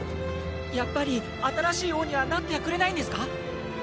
やっぱり新しい王にはなってくれないんですか？